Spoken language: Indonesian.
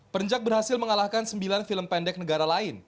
pernjak berhasil mengalahkan sembilan film pendek negara lain